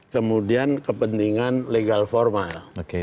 kemudian kepentingan legal formal